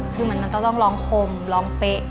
คือมันต้องร้องคมร้องเป๊ะ